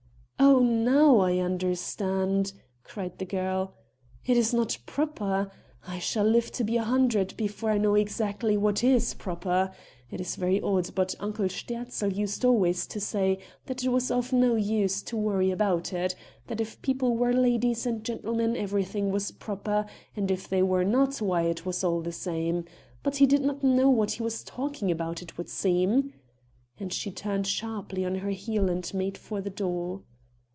"Oh, now I understand," cried the girl. "It is not proper!... I shall live to be a hundred before I know exactly what is proper; it is very odd, but Uncle Sterzl used always to say that it was of no use to worry about it; that if people were ladies and gentlemen everything was proper, and if they were not why it was all the same. But he did not know what he was talking about, it would seem!" and she turned sharply on her heel and made for the door.